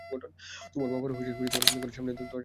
তোমার বাবার ঘরের সামনে দরজায় দাঁড়িয়ে আমি, তোমাকে চেয়ে আনব না।